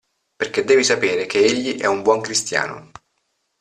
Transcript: Perché devi sapere che egli è un buon cristiano.